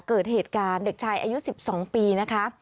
เกิดเหตุการณ์เด็กชายอายุ๑๒ปีนะคะ